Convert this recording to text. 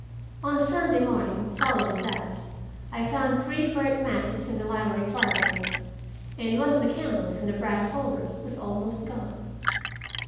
On the Sunday morning following that I found three burnt matches in the library fireplace, and one of the candles in the brass holders was almost gone.